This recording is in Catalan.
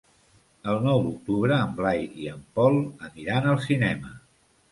El nou d'octubre en Blai i en Pol aniran al cinema.